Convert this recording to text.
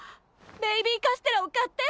ベイビーカステラを買って！